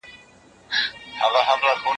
د يوسف عليه السلام خوب هم حق او رښتينی وو.